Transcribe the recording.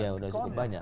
ya udah cukup banyak